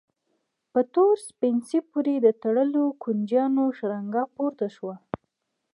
په تور سپڼسي پورې د تړلو کونجيانو شرنګا پورته شوه.